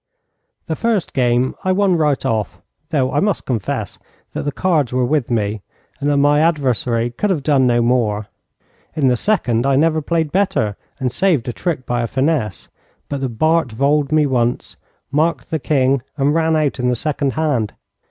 The first game I won right off, though I must confess that the cards were with me, and that my adversary could have done no more. In the second, I never played better and saved a trick by a finesse, but the Bart voled me once, marked the king, and ran out in the second hand.